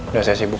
udah saya sibuk